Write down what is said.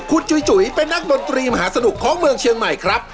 คุณจุ๋ยเป็นนักดนตรีมหาสนุกของเมืองเชียงใหม่ครับ